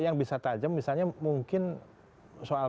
yang bisa tajam misalnya mungkin soal